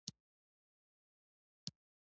خلیفه شیرمحمد ساکزی په پښتنو کي ښه پير تير سوی دی.